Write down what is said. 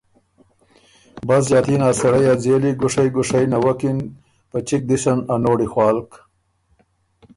بس ݫاتي ن ا سړئ ا ځېلی ګُوشئ ګُوشئ نوَکِن، په چِګ دِسن ا نوړی خوالک